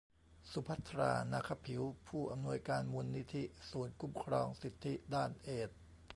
สุภัทรา นาคะผิว ผู้อำนวยการมูลนิธิศูนย์คุ้มครองสิทธิด้านเอดส์